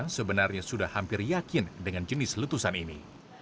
sebenarnya sudah hampir yakin dengan jenis letusan ini